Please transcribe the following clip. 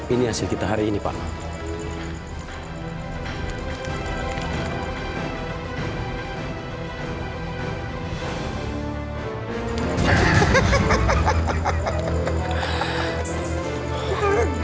ini hasil kita hari ini pak